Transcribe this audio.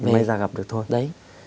mới ra gặp được thôi